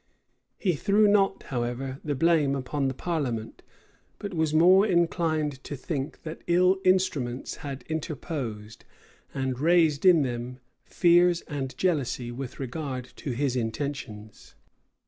He threw not, however, the blame upon the parliament, but was more inclined to think, that ill instruments had interposed, and raised in them fears and jealousies with regard to his intentions.